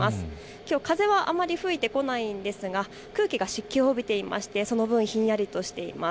きょう風はあまり吹いてこないんですが空気が湿気を帯びていまして、その分、ひんやりとしています。